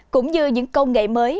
cũng như những công nghệ mới